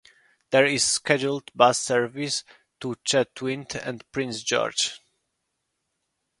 There is scheduled bus service to Chetwynd and Prince George.